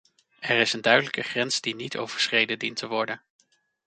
Er is een duidelijke grens die niet overschreden dient te worden.